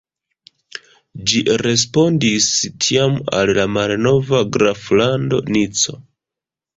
Ĝi respondis tiam al la malnova graflando Nico.